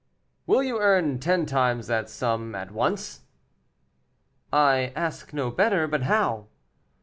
"Will you earn ten times that sum at once?" "I ask no better. But how?"